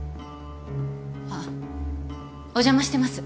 あお邪魔してます。